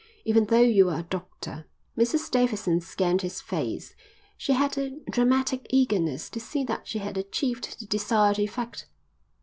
Even though you are a doctor." Mrs Davidson scanned his face. She had a dramatic eagerness to see that she had achieved the desired effect.